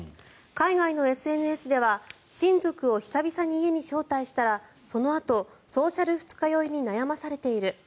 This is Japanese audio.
海外のＳＮＳでは親族を久々に家に招待したらそのあとソーシャル二日酔いに悩まされている。